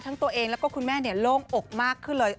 ทั้งตัวเองและคุณแม่โรงอกมากขึ้นเลย